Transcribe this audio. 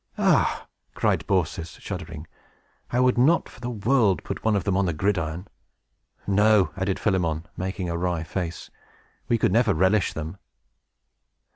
"Ah," cried Baucis, shuddering, "I would not, for the world, put one of them on the gridiron!" "No," added Philemon, making a wry face, "we could never relish them!"